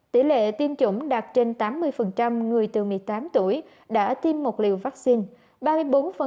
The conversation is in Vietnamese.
tỷ lệ tiêm chủng đạt trên tám mươi người từ một mươi tám tuổi đã tiêm một liều vaccine